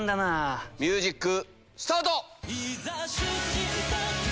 ミュージックスタート！